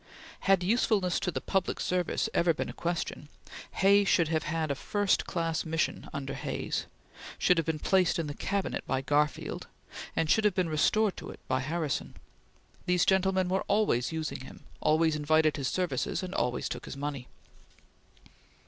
Had usefulness to the public service been ever a question, Hay should have had a first class mission under Hayes; should have been placed in the Cabinet by Garfield, and should have been restored to it by Harrison. These gentlemen were always using him; always invited his services, and always took his money.